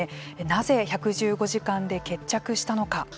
なぜ１１５時間で決着したのか。